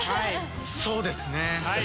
そうですね。